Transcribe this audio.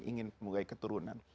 ingin mulai keturunan